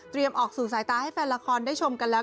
ออกสู่สายตาให้แฟนละครได้ชมกันแล้ว